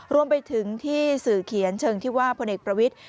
รวมไปถึงที่สื่อเขียนเชิงที่ว่าพลเอกประวิทธิ